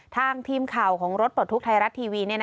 ทางทีมข่าวของรถปลดทุกข์ไทยรัฐทีวี